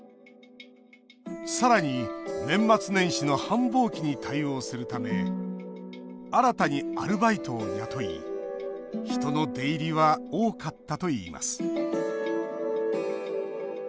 さらに、年末年始の繁忙期に対応するため新たにアルバイトを雇い人の出入りは多かったといいます。